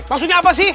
maksudnya apa sih